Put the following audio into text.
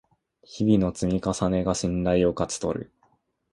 日々の積み重ねが信頼を勝ち取る